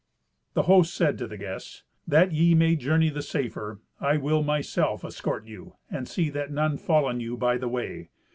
The host said to the guests, "That ye may journey the safer, I will myself escort you, and see that none fall on you by the way."